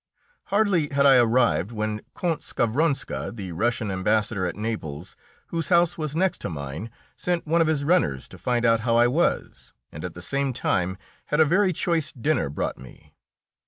Hardly had I arrived when Count Skavronska, the Russian Ambassador at Naples, whose house was next to mine, sent one of his runners to find out how I was, and at the same time had a very choice dinner brought me.